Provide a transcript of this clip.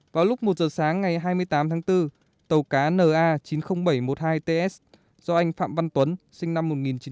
vào lúc một giờ sáng ngày hai mươi tám tháng bốn tàu cá na chín mươi nghìn bảy trăm một mươi hai ts do anh phạm văn tuấn sinh năm một nghìn chín trăm tám mươi